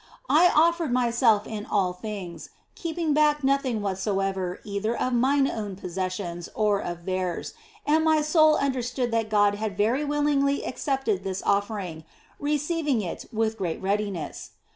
I offered myself in all things, keeping back nothing whatsoever either of mine own possessions or of theirs, and my soul understood that God had very willingly accepted this offering, receiving it with great readiness.